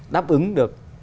đáp ứng được